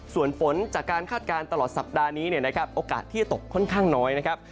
ส่วนฝนจากการคาดการณ์ตลอดสัปดาห์นี้เนี่ยนะครับโอกาสที่จะตกค่อนข้างน้อยนะครับ